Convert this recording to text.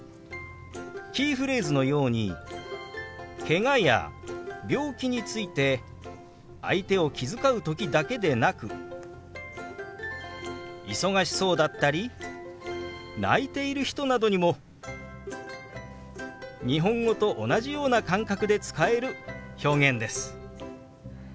キーフレーズのようにけがや病気について相手を気遣う時だけでなく忙しそうだったり泣いている人などにも日本語と同じような感覚で使える表現です。